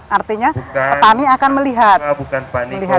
artinya petani akan melihat